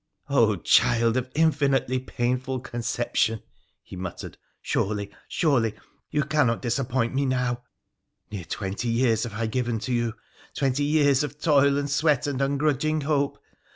' Oh, child of infinitely painful conception,' he muttered, ' surely — surely you cannot dis appoint me now ! Near twenty years have I given to you — twenty years of toil and sweat and ungrudging hope.